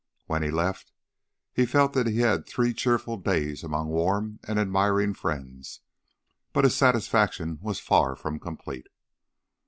When he left, he felt that he had had three cheerful days among warm and admiring friends, but his satisfaction was far from complete.